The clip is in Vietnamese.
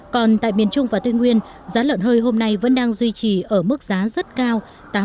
còn tại miền trung và tây nguyên giá lợn hơi hôm nay vẫn đang duy trì ở mức giá rất cao